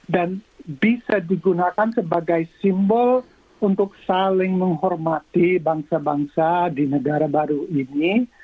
dan bisa digunakan sebagai simbol untuk saling menghormati bangsa bangsa di negara baru ini